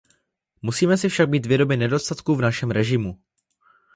Musíme si však být vědomi nedostatků v našem režimu.